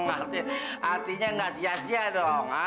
artinya nggak sia sia dong